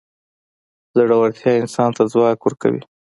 زړورتیا انسان ته ځواک ورکوي.